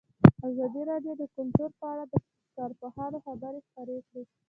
ازادي راډیو د کلتور په اړه د کارپوهانو خبرې خپرې کړي.